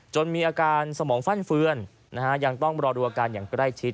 มีอาการสมองฟั่นเฟือนยังต้องรอดูอาการอย่างใกล้ชิด